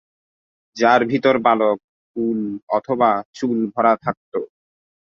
যার ভিতর পালক, উল অথবা চুল ভরা থাকতো।